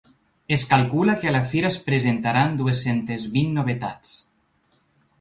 Es calcula que a la fira es presentaran dues-centes vint novetats.